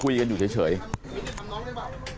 ลูกสาวหลายครั้งแล้วว่าไม่ได้คุยกับแจ๊บเลยลองฟังนะคะ